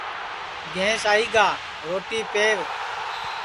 گینٚس آئی گا روٹی پہو